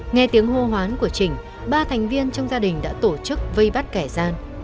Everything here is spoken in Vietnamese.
nghe tiếng hô hoán của chỉnh ba thành viên trong gia đình đã tổ chức vây bắt kẻ gian